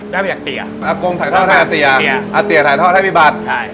ได้มาอยากเตียร์อักกงถ่ายท่อให้อัตเตียร์อัตเตียร์ถ่ายท่อให้พี่บัตรใช่